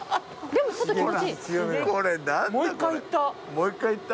もう１回行った。